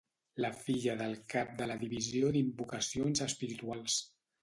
La filla del cap de la Divisió d'Invocacions Espirituals.